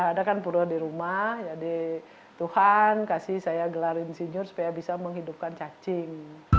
ada kan pura di rumah jadi tuhan kasih saya gelar insinyur supaya bisa menghidupkan cacing